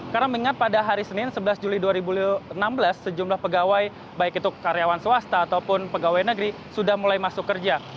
karena mengingat pada hari senin sebelas juli dua ribu enam belas sejumlah pegawai baik itu karyawan swasta ataupun pegawai negeri sudah mulai masuk kerja